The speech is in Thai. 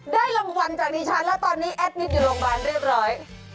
ได้รางวัลจากดิฉันแล้วตอนนี้แอดมิตรอยู่โรงพยาบาลเรียบร้อย